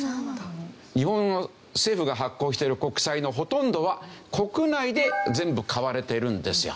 日本の政府が発行してる国債のほとんどは国内で全部買われてるんですよ。